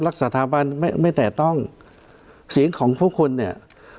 รักสถาบันไม่ไม่แต่ต้องสิ่งของพวกคุณเนี้ย